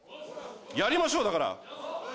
やりましょう、だから。